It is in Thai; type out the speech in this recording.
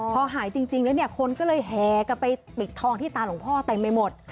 พอหายจริงแล้วคนก็เลยแฮกไปปิดทองที่ตาหลวงพ่อแต่ไม่หมด